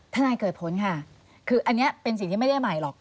นายเกิดผลค่ะคืออันนี้เป็นสิ่งที่ไม่ได้ใหม่หรอก